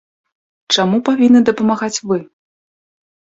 Чаму павінны дапамагаць вы?